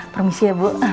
permisi ya bu